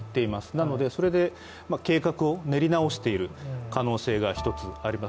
なのでそれで計画を練り直している可能性がひとつあります。